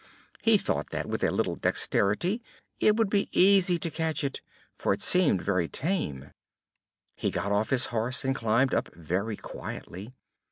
He thought that with a little dexterity it would be easy to catch it, for it seemed very tame. He got off his horse, and climbed up very quietly.